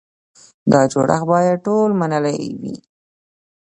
دا جوړښت باید ټول منلی وي.